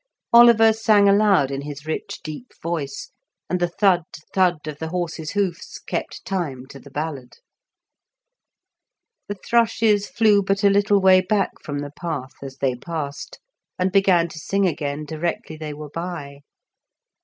Oliver sang aloud in his rich deep voice, and the thud, thud of the horses' hoofs kept time to the ballad. The thrushes flew but a little way back from the path as they passed, and began to sing again directly they were by.